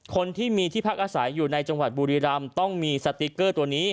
คนที่มีที่พักอาศัยอยู่ในจังหวัดบุรีรำต้องมีสติ๊กเกอร์ตัวนี้